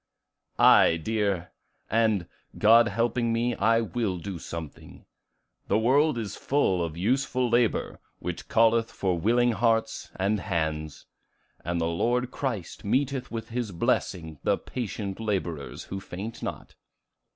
"Aye, dear; and, God helping me I will do something: the world is full of useful labor, which calleth for willing hearts and hands. And the Lord Christ meeteth with his blessing the patient laborers who faint not."